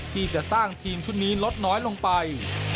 ที่จะสร้างทีมชุดนี้ลดน้อยลงไป